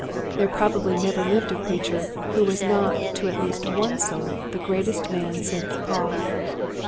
There probably never lived a preacher who was not to at least one soul the greatest man since Paul.